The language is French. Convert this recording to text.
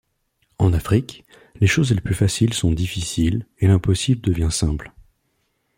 En Afrique, les choses les plus faciles sont difficiles et l’impossible devient simple.